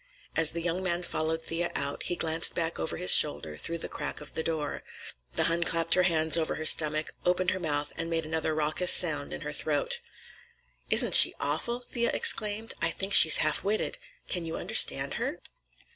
As the young man followed Thea out, he glanced back over his shoulder through the crack of the door; the Hun clapped her hands over her stomach, opened her mouth, and made another raucous sound in her throat. "Isn't she awful?" Thea exclaimed. "I think she's half witted. Can you understand her?"